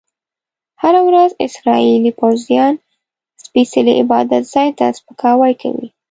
هره ورځ اسرایلي پوځیان سپیڅلي عبادت ځای ته سپکاوی کوي.